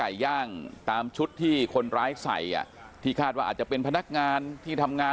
ย่างตามชุดที่คนร้ายใส่อ่ะที่คาดว่าอาจจะเป็นพนักงานที่ทำงาน